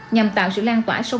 nhằm tạo sự lan tỏa sâu đẳng